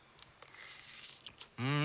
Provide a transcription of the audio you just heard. うん！